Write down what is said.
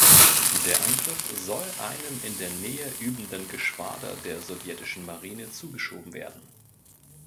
Der Angriff soll einem in der Nähe übenden Geschwader der sowjetischen Marine zugeschoben werden.